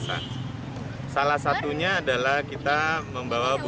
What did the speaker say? kegiatan pendidikan kembali menambahkan kegiatan pendidikan pembelajaran pendidikan pembelajaran pendidikan